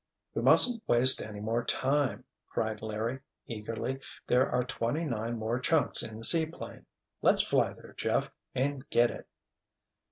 "We mustn't waste any more time," cried Larry, eagerly. "There are twenty nine more chunks in the seaplane. Let's fly there, Jeff, and get it."